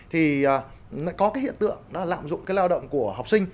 thì có hiện tượng lạm dụng lao động của học sinh